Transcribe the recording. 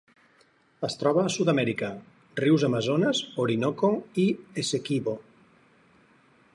Es troba a Sud-amèrica: rius Amazones, Orinoco i Essequibo.